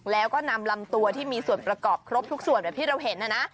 แล้วก็นำตัวที่มีส่วนประกอบครบทุกส่วน